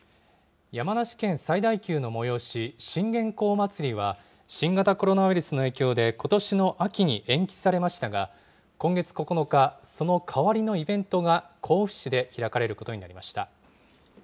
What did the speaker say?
山梨県最大級の催し、信玄公祭りは、新型コロナウイルスの影響でことしの秋に延期されましたが、今月９日、そのかわりのイベントが甲府市で開かれることになりました。